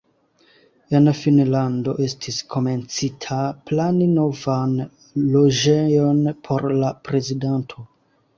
En Finnlando estis komencita plani novan loĝejon por la prezidanto.